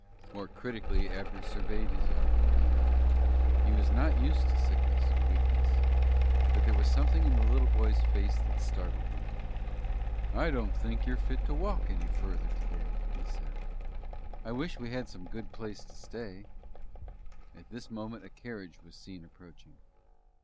More critically Abner surveyed his young companion. He was not used to sickness or weakness, but there was something in the little boy's face that startled him. "I don't think you're fit to walk any further today," he said. "I wish we had some good place to stay." At this moment a carriage was seen approaching.